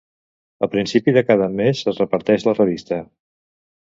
A principi de cada mes es reparteix la revista